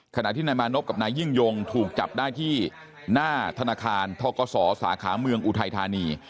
ขณะที่นายมานพกับนายยิ่งยงถูกจับได้ที่หน้าธนาคารทกศสาขาเมืองอุทัยธานี